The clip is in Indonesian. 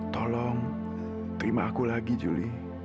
tolong terima aku lagi juli